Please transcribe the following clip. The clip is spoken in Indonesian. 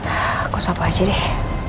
aku sepah aja deh